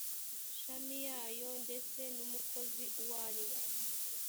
shami yayo ndetse n umukozi uwo ari we